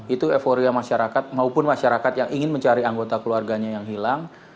itu euforia masyarakat maupun masyarakat yang ingin mencari anggota keluarganya yang hilang